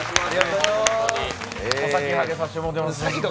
お先、はげさせてもろうてます。